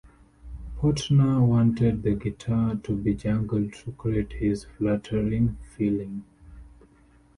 Portner wanted the guitar to be "jangled to create this fluttering feeling".